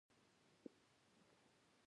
زه يي هم زم زمه کولی شم